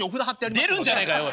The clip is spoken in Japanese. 出るんじゃねえかよおい。